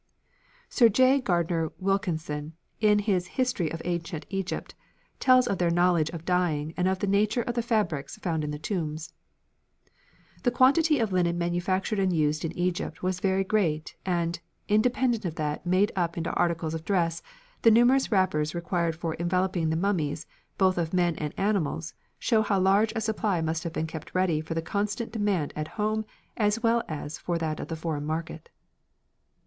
Sir J. Gardner Wilkinson, in his history of "Ancient Egypt," tells of their knowledge of dyeing and of the nature of the fabrics found in the tombs: "The quantity of linen manufactured and used in Egypt was very great; and, independent of that made up into articles of dress, the numerous wrappers required for enveloping the mummies, both of men and animals, show how large a supply must have been kept ready for the constant demand at home as well as for that of the foreign market."